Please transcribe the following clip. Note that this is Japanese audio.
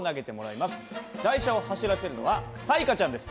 台車を走らせるのは彩加ちゃんです。